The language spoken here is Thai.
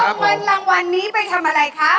เออเงินรางวัลนี้เป็นตามอะไรคะ